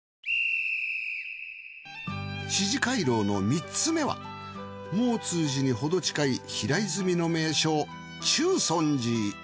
四寺廻廊の３つ目は毛越寺に程近い平泉の名所中尊寺。